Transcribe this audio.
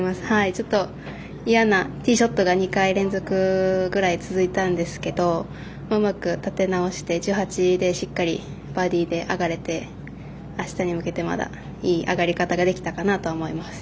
ちょっと、嫌なティーショットが２回連続ぐらい続いたんですけどうまく立て直して１８でしっかりバーディーで上がれてあしたに向けていい上がり方ができたかなと思います。